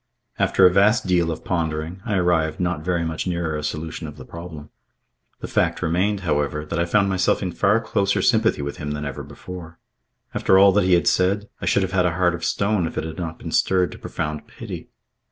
After a vast deal of pondering, I arrived not very much nearer a solution of the problem. The fact remained, however, that I found myself in far closer sympathy with him than ever before. After all that he had said, I should have had a heart of stone if it had not been stirred to profound pity.